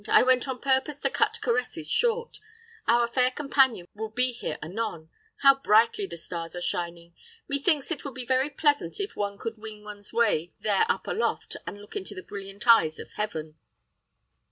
I went on purpose to cut caresses short. Our fair companion will be here anon. How brightly the stars are shining. Methinks it would be very pleasant if one could wing one's way there up aloft, and look into the brilliant eyes of heaven."